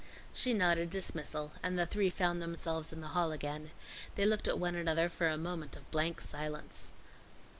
She nodded dismissal, and the three found themselves in the hall again. They looked at one another for a moment of blank silence.